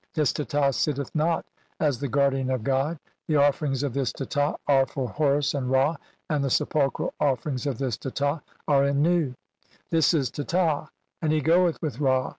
This Teta, sitteth not as the guardian of God. "The offerings of this Teta are for Horus and Ra, "and the sepulchral offerings of this Teta are in Nu. "This is Teta, and he goeth with Ra.